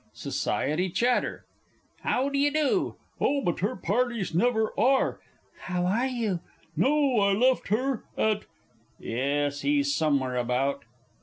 _ SOCIETY CHATTER. How d'ye do?... Oh, but her parties never are!... How are you?... No, I left her at .... Yes, he's somewhere about....